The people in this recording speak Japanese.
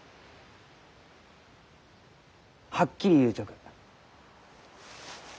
はっきり言うちょく。